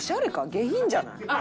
下品じゃない？